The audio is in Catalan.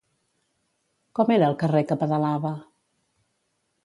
Com era el carrer que pedalava?